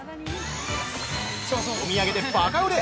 お土産でバカ売れ！